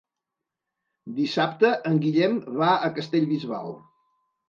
Dissabte en Guillem va a Castellbisbal.